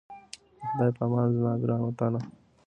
د خدای په امان زما ګرانه وطنه😞